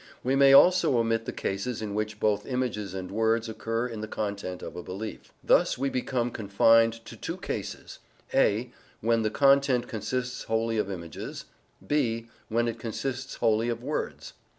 We may also omit the cases in which both images and words occur in the content of a belief. Thus we become confined to two cases: (a) when the content consists wholly of images, (b) when it consists wholly of words.